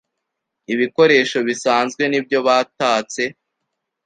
ibikoresho bisanzwe nibyo batatse